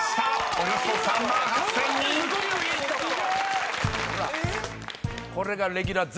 およそ３万８，０００人］ほらっ。